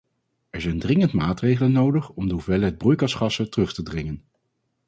Er zijn dringend maatregelen nodig om de hoeveelheid broeikasgassen terug te dringen.